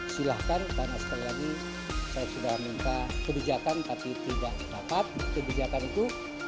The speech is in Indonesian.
silahkan karena sekali lagi saya sudah minta kebijakan tapi tidak dapat kebijakan itu